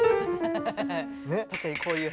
確かにこういう。